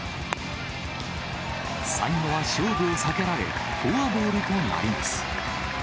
最後は勝負を避けられ、フォアボールとなります。